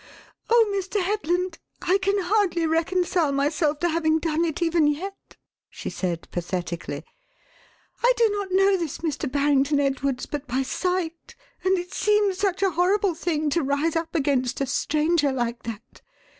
"Oh, Mr. Headland, I can hardly reconcile myself to having done it even yet," she said pathetically. "I do not know this Mr. Barrington Edwards but by sight, and it seems such a horrible thing to rise up against a stranger like that.